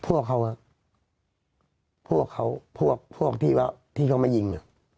พวกเขาพวกเขาพวกที่เขามายิง